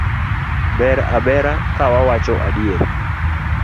Ber a bera ka wawacho adier